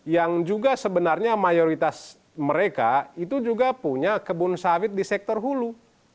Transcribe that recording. yang juga sebenarnya mayoritas mereka itu juga punya kebun sawit di sektor hulu